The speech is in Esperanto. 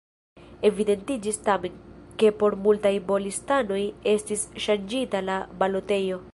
Evidentiĝis tamen, ke por multaj B-listanoj estis ŝanĝita la balotejo.